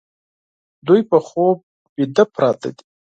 دوی په خوب ویده پراته دي